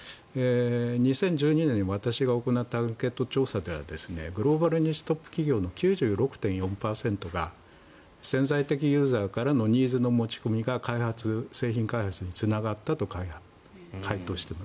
２０１２年に私が行ったアンケート調査ではグローバルニッチトップ企業の９６．４％が潜在的ユーザーからのニーズの持ち込みが製品開発につながったと回答しています。